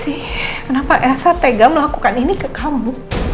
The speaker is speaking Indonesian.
nino kenapa sih kenapa elsa tega melakukan ini ke kamu